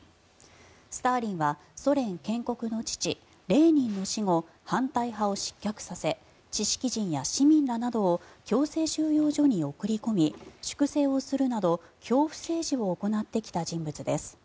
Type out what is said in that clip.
スターリンはソ連建国の父レーニンの死後反対派を失脚させ知識人や市民らなどを強制収容所に送り込み粛清をするなど恐怖政治を行ってきた人物です。